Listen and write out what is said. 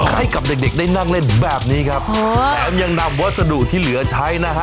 ให้กับเด็กเด็กได้นั่งเล่นแบบนี้ครับแถมยังนำวัสดุที่เหลือใช้นะฮะ